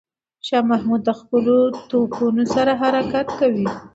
شاه محمود د خپلو توپونو سره حرکت کوي.